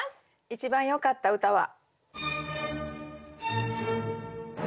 一番よかった歌は。